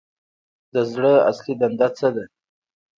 د زړه اصلي دنده څه ده